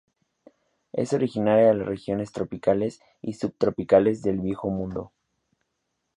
Es originaria de las regiones tropicales y subtropicales del Viejo Mundo.